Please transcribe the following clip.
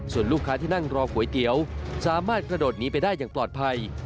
ส่วนลูกค้าที่นั่งรอก๋วยเตี๋ยวสามารถกระโดดหนีไปได้อย่างปลอดภัย